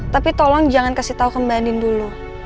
tapi tolong jangan kasih tau ke mbak andin dulu